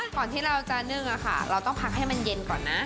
ก่อนที่เราจะนึ่งเราต้องพักให้มันเย็นก่อนนะ